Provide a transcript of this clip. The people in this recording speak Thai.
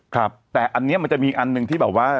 ครับแต่อันนี้มันจะมีอันหนึ่งที่แบบว่า